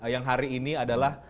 yang hari ini adalah